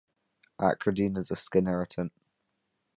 Acridine is a skin irritant.